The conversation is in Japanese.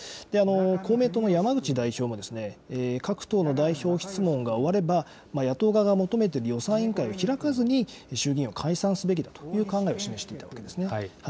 公明党の山口代表も、各党の代表質問が終われば、野党側が求めている予算委員会を開かずに衆議院を解散すべきだという考えを示していたわけですね。